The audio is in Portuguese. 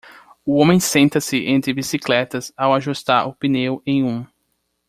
O homem senta-se entre bicicletas ao ajustar o pneu em um.